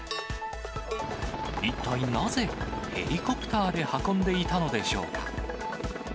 一体なぜ、ヘリコプターで運んでいたのでしょうか。